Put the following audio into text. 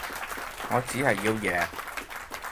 我只係要贏